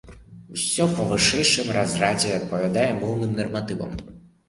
Усё па вышэйшым разрадзе і адпавядае моўным нарматывам.